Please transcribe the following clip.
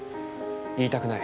言いたくない。